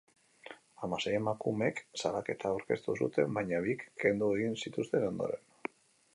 Hamasei emakumek salaketa aurkeztu zuten, baina bik kendu egin zituzten ondoren.